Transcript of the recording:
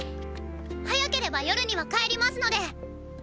早ければ夜には帰りますのでーー。